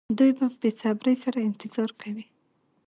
دوی په بې صبرۍ سره انتظار کوي.